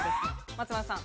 松丸さん。